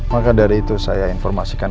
maka dari itu saya informasikan